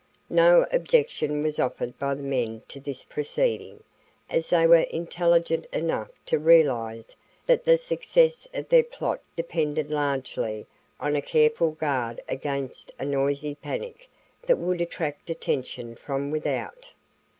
No objection was offered by the men to this proceeding, as they were intelligent enough to realize that the success of their plot depended largely on a careful guard against a noisy panic that would attract attention from without.